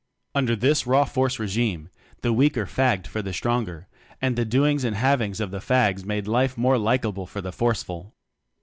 Under this raw force regime the weaker "fagged" for the stronger; and the doings and havings of the "rags" made life more likeable for the force ful.